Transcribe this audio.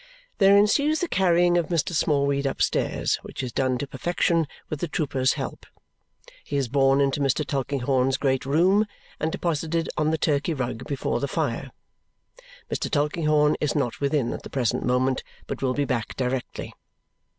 There ensues the carrying of Mr. Smallweed upstairs, which is done to perfection with the trooper's help. He is borne into Mr. Tulkinghorn's great room and deposited on the Turkey rug before the fire. Mr. Tulkinghorn is not within at the present moment but will be back directly.